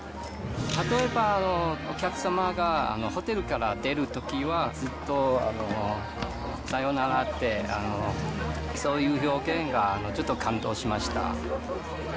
例えば、お客様がホテルから出るときはずっとさよならって、そういう表現がちょっと感動しました。